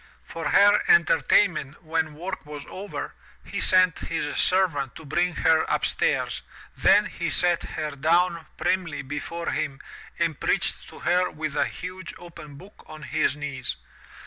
For her enter tainment when work was over, he sent his servant to bring her upstairs, then he set her down primly before him and preached to her with a huge opened book on his knees.